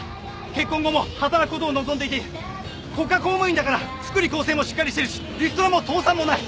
結婚後も働くことを望んでいて国家公務員だから福利厚生もしっかりしてるしリストラも倒産もない。